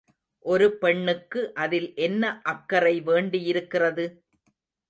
ஒரு பெண்ணுக்கு அதில் என்ன அக்கறை வேண்டியிருக்கிறது?